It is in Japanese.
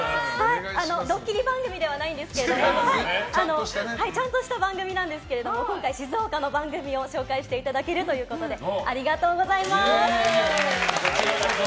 ドッキリ番組ではないんですけれどもちゃんとした番組なんですけれども今回、静岡の番組を紹介していただけるということでありがとうございます。